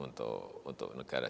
untuk rakyat untuk negara